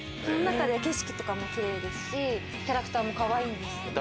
その中で景色とかもキレイですしキャラクターもかわいいんです。